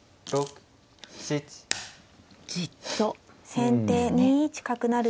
先手２一角成。